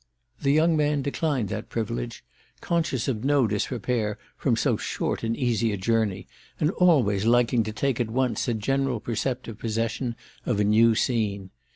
The young man declined that privilege, conscious of no disrepair from so short and easy a journey and always liking to take at once a general perceptive possession of a new scene.